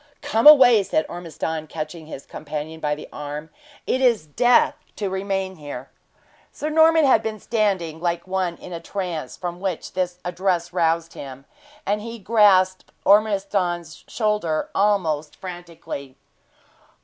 "Come away!" said Ormiston, catching his companion by the arm. "It is death to remain here!" Sir Norman had been standing like one in a trance, from which this address roused him, and he grasped Ormiston's shoulder almost frantically.